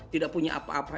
tidak punya apa apa